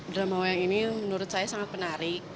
drama wayang ini menurut saya sangat menarik